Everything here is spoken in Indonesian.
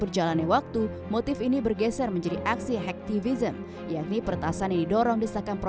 berjalannya waktu motif ini bergeser menjadi aksi hektivism yakni pertasan yang didorong desakan